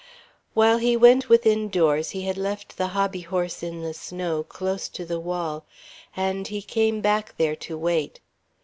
While he went within doors he had left the hobbyhorse in the snow, close to the wall; and he came back there to wait.